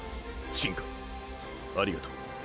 新開ありがとう。